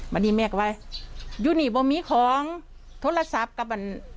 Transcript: มานี่แม่ก็ว่าอยู่นี่ไม่มีของโทรศัพท์กับอัน